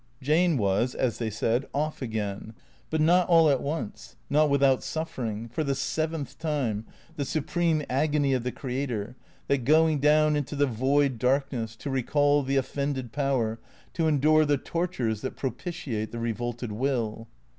Jane was, as they said, " off " again. But not all at once ; not without suffering, for the seventh time, the supreme agony of the creator — that going down into the void darkness, to re call the offended Power, to endure the tortures that propitiate the revolted Will.